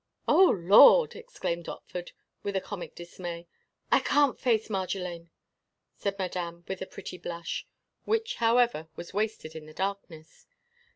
"Oh, Lord!" exclaimed Otford with comic dismay. "I can't face Marjolaine!" said Madame, with a pretty blush, which, however, was wasted in the darkness.